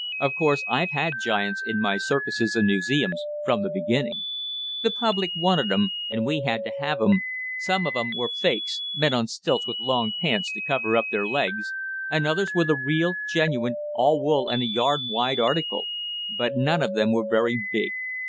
Of course I've had giants in my circuses and museums, from the beginning. The public wanted 'em and we had to have 'em. Some of 'em were fakes men on stilts with long pants to cover up their legs, and others were the real, genuine, all wool and a yard wide article. But none of them were very big.